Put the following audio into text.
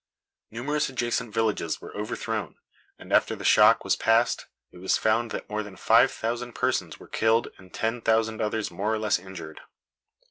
Numerous adjacent villages were overthrown; and after the shock was past it was found that more than five thousand persons were killed and ten thousand others more or less injured.